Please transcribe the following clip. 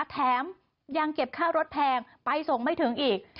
แถมยังเก็บค่ารถแพงไปส่งไม่ถึงอีก